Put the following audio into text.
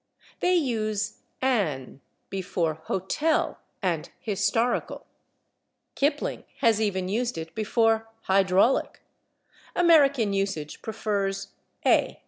They use /an/ before /hotel/ and /historical/; Kipling has even used it before /hydraulic/; American usage prefers /a